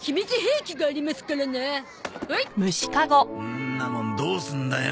んなもんどうすんだよ？